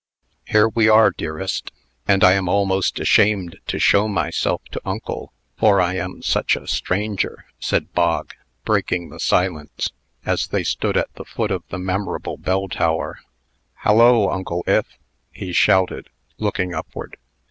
"Here we are, dearest; and I am almost ashamed to show myself to uncle, for I am such a stranger," said Bog, breaking the silence, as they stood at the foot of the memorable bell tower. "Hallo, Uncle Ith!" he shouted, looking upward.